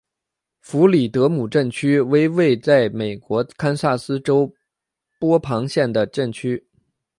弗里德姆镇区为位在美国堪萨斯州波旁县的镇区。